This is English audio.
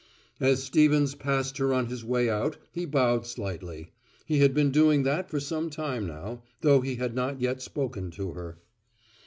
As Stevens passed her on his way out he bowed slightly. He had been doing that for some time now, though he had not yet spoken to her.